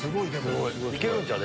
いけるんちゃう？